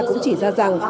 cũng chỉ ra rằng